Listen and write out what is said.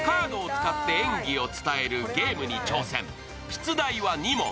出題は２問。